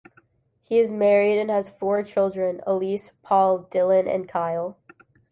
He is married and has four children, Elise, Paul, Dylan and Kyle.